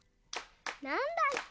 なんだっけ？